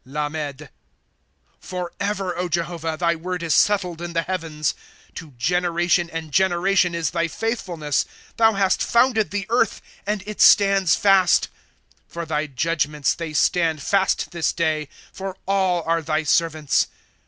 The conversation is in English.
Lamed. ' Forever, Jehovah, Thy word is settled in the heavens. * To generation and generation is thy faithfulness ; Thou hast founded the earth, and it stands fast. ./Google =1 For thy judgments they stand fast this day ; For all are thy servants.